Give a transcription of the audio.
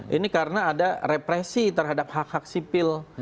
ini karena ada represi terhadap hak hak sipil